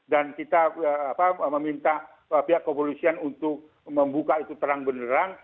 dan kita meminta pihak kepolisian untuk membuka itu terang benerang